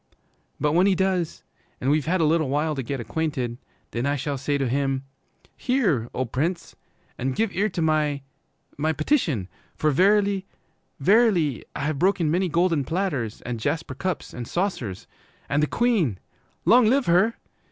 'But when he does, and we've had a little while to get acquainted, then I shall say to him, "Hear, O Prince, and give ear to my my petition! For verily, verily, I have broken many golden platters and jasper cups and saucers, and the Queen, long live her!